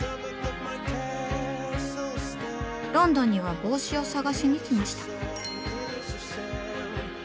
ロンドンには帽子を探しにきました。